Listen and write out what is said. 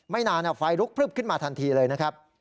นานไฟลุกพลึบขึ้นมาทันทีเลยนะครับ